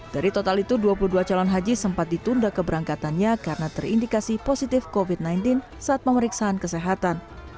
dari total itu dua puluh dua calon haji sempat ditunda keberangkatannya karena terindikasi positif covid sembilan belas saat pemeriksaan kesehatan